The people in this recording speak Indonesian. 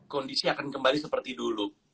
kondisi akan kembali seperti dulu